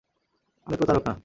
আমি প্রতারক না।